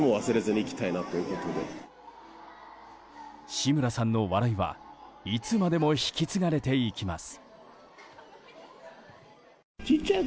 志村さんの笑いはいつまでも引き継がれていきます。